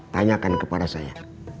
tanyakan kepada saya